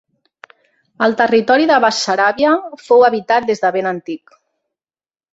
El territori de Bessaràbia fou habitat des de ben antic.